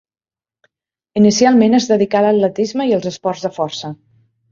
Inicialment es dedicà a l'atletisme i als esports de força.